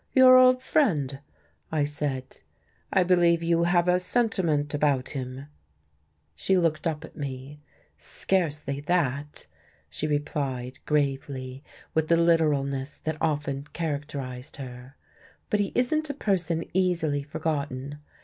"Your old friend," I said. "I believe you have a sentiment about him." She looked up at me. "Scarcely that," she replied gravely, with the literalness that often characterized her, "but he isn't a person easily forgotten.